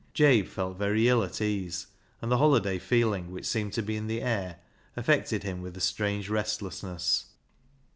Jabe felt very ill at ease, and the holi day feeling which seemed to be in the air affected him with a strange restlessness.